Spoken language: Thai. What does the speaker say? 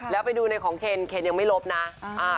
แล้วไปดูในของเคนยังไม่ลบนะ